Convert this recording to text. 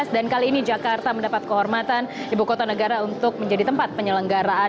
kali ini jakarta mendapat kehormatan ibu kota negara untuk menjadi tempat penyelenggaraan